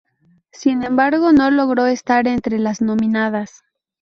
Sin embargo, no logró estar entre las nominadas.